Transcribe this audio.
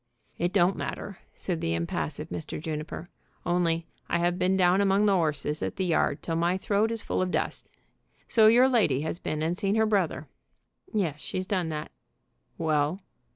"It don't matter," said the impassive Mr. Juniper, "only I have been down among the 'orses at the yard till my throat is full of dust. So your lady has been and seen her brother?" "Yes; she's done that." "Well?"